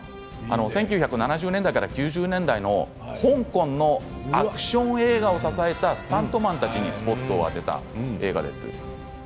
１９７０年代から９０年代の香港のアクション映画を支えたスタントマンたちにスポット当てた映画です。